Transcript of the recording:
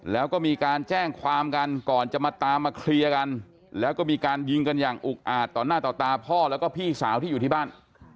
แล้วก็มีการแจ้งความกันก่อนจะมาตามมาเคลียร์กันแล้วก็มีการยิงกันอย่างอุกอาจต่อหน้าต่อตาพ่อแล้วก็พี่สาวที่อยู่ที่บ้าน